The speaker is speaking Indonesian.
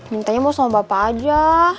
mintanya mau sama bapak aja